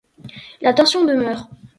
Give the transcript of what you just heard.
La tension demeure.